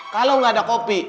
kalau gak ada kopi